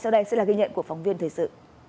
đây là ghi nhận của phóng viên thời sự